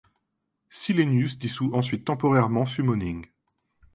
Silenius dissout ensuite temporairement Summoning.